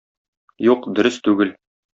Юк, дөрес түгел!